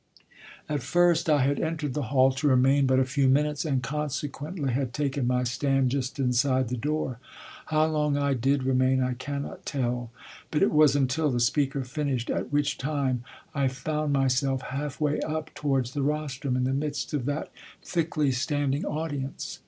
At first I had entered the hall to remain but a few minutes, and, consequently, had taken my stand just inside the door. How long I did remain I cannot tell, but it was until the speaker finished, at which time I found myself half way up towards the rostrum in the midst of that thickly standing audience.